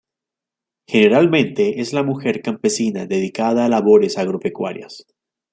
Generalmente es la mujer campesina dedicada a labores agropecuarias.